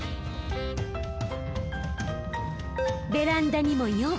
ベランダにも４。